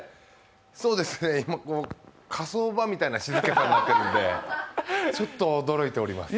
そうですね、今、火葬場みたいな静けさになっているんでちょっと驚いております。